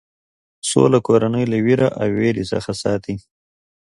سوله کورنۍ له وېره او وېرې څخه ساتي.